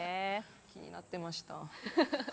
気になっていました。